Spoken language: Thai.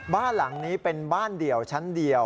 บ้านหลังนี้เป็นบ้านเดี่ยวชั้นเดียว